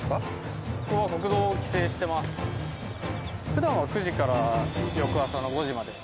普段は９時から翌朝の５時まで。